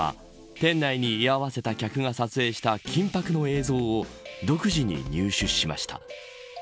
ＦＮＮは、店内に居合わせた客が撮影した緊迫の映像を独自に入手しました。